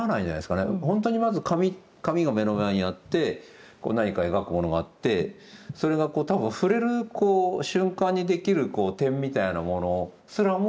ほんとにまず紙が目の前にあって何か描くものがあってそれがこう多分触れる瞬間にできる点みたいなものすらも多分面白いんじゃないですか。